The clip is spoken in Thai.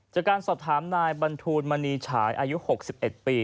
จากการสอบถามนายบรรทูลมณีฉายอายุ๖๑ปี